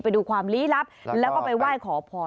ไปดูความลี้ลับแล้วก็ไปว่ายขอพรด้วย